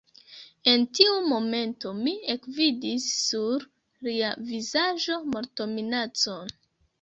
En tiu momento mi ekvidis sur lia vizaĝo mortominacon.